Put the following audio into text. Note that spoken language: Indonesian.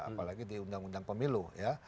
apalagi di undang undang pemilu ya